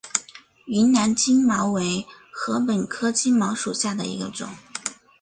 云南金茅为禾本科金茅属下的一个种。